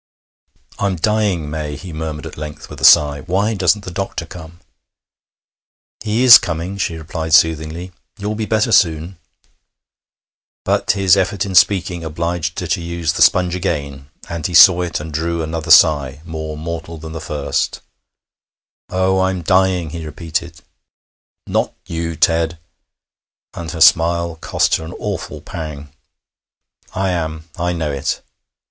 'I'm dying, May,' he murmured at length, with a sigh. 'Why doesn't the doctor come?' 'He is coming,' she replied soothingly. 'You'll be better soon.' But his effort in speaking obliged her to use the sponge again, and he saw it, and drew another sigh, more mortal than the first. 'Oh! I'm dying,' he repeated. 'Not you, Ted!' And her smile cost her an awful pang. 'I am. I know it.'